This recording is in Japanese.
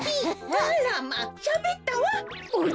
あらましゃべったわ。